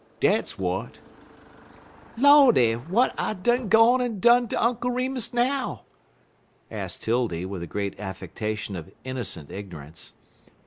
Dat's w'at!" "Lawdy! w'at I done gone en done ter Unk' Remus now?" asked 'Tildy, with a great affectation of innocent ignorance.